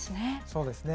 そうですね。